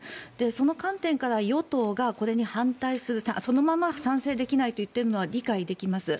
その観点から与党がこれに反対するそのまま賛成できないと言っているのは理解できます。